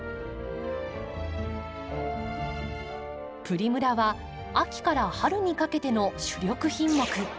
プリムラは秋から春にかけての主力品目。